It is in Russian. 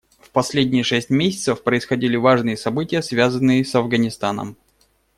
В последние шесть месяцев происходили важные события, связанные с Афганистаном.